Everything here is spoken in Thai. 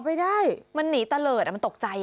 ต่อไปได้มันหนีตะเลิดมันตกใจ